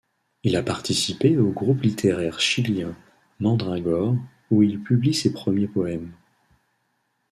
Il a participé au groupe littéraire chilien Mandragore où il publie ses premiers poèmes.